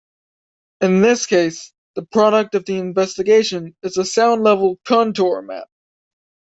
In this case the product of the investigation is a sound level contour map.